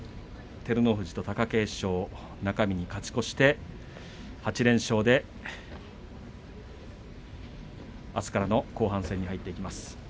照ノ富士と貴景勝、中日に勝ち越して８連勝であすからの後半戦に入っていきます。